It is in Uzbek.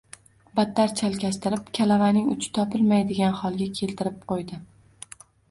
battar chalkashtirib, kalavaning uchi topilmaydigan holga keltirib qo‘ydi.